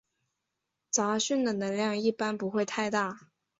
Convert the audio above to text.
杂讯的能量一般不会太大。